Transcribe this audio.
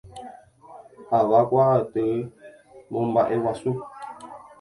Avakuaaty momba'eguasu.